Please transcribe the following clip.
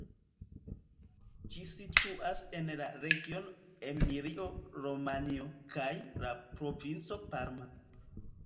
Ĝi situas en la regiono Emilio-Romanjo kaj la provinco Parma.